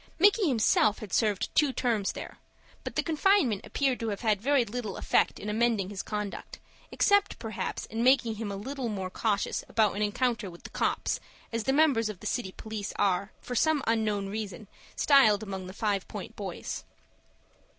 Micky himself had served two terms there; but the confinement appeared to have had very little effect in amending his conduct, except, perhaps, in making him a little more cautious about an encounter with the "copps," as the members of the city police are, for some unknown reason, styled among the Five Point boys.